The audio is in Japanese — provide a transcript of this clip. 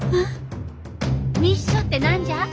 密書って何じゃ？